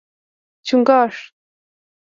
🦀 چنګاښ